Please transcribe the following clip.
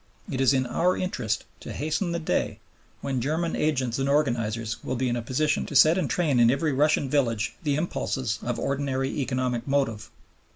It is in our interest to hasten the day when German agents and organizers will be in a position to set in train in every Russian village the impulses of ordinary economic motive.